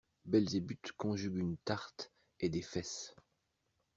Belzébuth conjugue une tarte et des fesses.